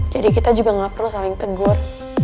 jadi kita juga gak perlu saling tegur